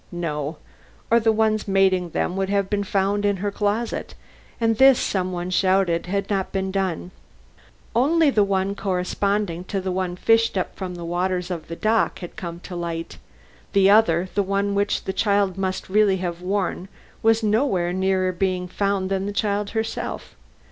No or the ones mating them would have been found in her closet, and this, some one shouted out, had not been done. Only the one corresponding to that fished up from the waters of the dock had come to light; the other, the one which the child must really have worn, was no nearer being found than the child herself.